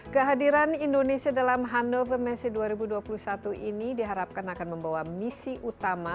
kehadiran indonesia dalam hanover messe dua ribu dua puluh satu ini diharapkan akan membawa misi utama